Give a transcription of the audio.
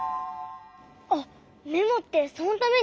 あっメモってそのために？